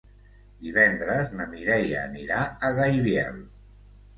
Divendres na Mireia anirà a Gaibiel.